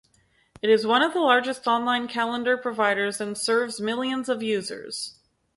It is one of the largest online calendar providers and serves millions of users.